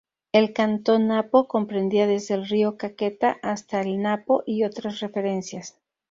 El cantón Napo comprendía desde el río Caquetá hasta el Napo, y otras referencias.